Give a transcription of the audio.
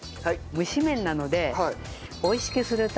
蒸し麺なので。